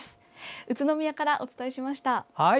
宇都宮からお伝えしました。